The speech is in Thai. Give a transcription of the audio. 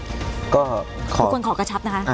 ทุกคนขอกระชับนะคะ